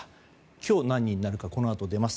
今日は何人になるかこのあと出ます。